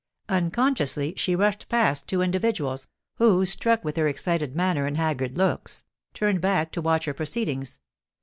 Unconsciously she rushed past two individuals, who, struck with her excited manner and haggard looks, turned back to watch her proceedings.